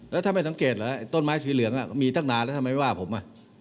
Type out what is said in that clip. แล้วถ้าไม่สังเกตเหรอไอ้ต้นไม้สีเหลืองมีตั้งนานแล้วทำไมไม่ว่าผม